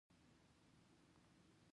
ځیني اړیکي د یو جال په څېر وي